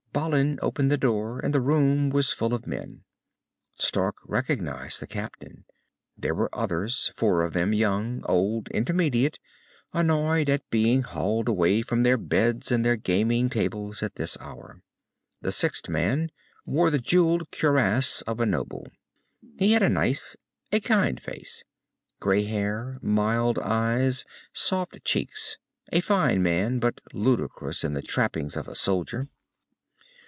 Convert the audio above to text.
Balin opened the door, and the room was full of men. Stark recognized the captain. There were others, four of them, young, old, intermediate, annoyed at being hauled away from their beds and their gaming tables at this hour. The sixth man wore the jewelled cuirass of a noble. He had a nice, a kind face. Grey hair, mild eyes, soft cheeks. A fine man, but ludicrous in the trappings of a soldier.